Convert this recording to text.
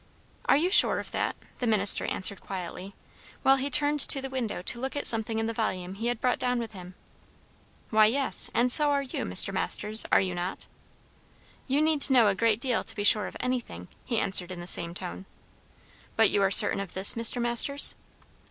"Are you sure of that?" the minister answered quietly, while he turned to the window to look at something in the volume he had brought down with him. "Why, yes; and so are you, Mr. Masters; are you not?" "You need to know a great deal to be sure of anything," he answered in the same tone. "But you are certain of this, Mr. Masters?"